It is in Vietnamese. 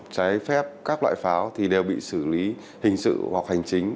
trái phép các loại pháo thì đều bị xử lý hình sự hoặc hành chính